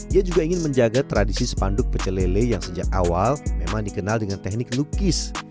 ia juga ingin menjaga tradisi spanduk pecelele yang sejak awal memang dikenal dengan teknik lukis